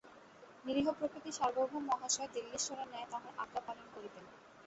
নিরীহপ্রকৃতি সার্বভৌম মহাশয় দিল্লীশ্বরের ন্যায় তাঁহার আজ্ঞা পালন করিতেন।